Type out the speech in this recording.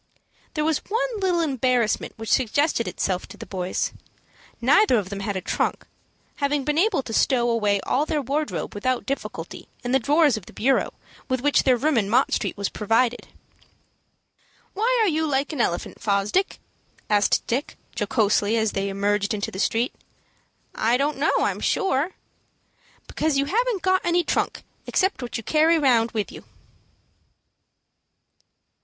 There was one little embarrassment which suggested itself to the boys. Neither of them had a trunk, having been able to stow away all their wardrobe without difficulty in the drawers of the bureau with which their room in Mott Street was provided. "Why are you like an elephant, Fosdick?" asked Dick, jocosely, as they emerged into the street. "I don't know, I'm sure." "Because you haven't got any trunk except what you carry round with you."